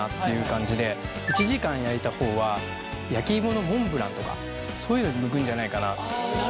１時間焼いた方は焼き芋のモンブランとかそういうのに向くんじゃないかなと。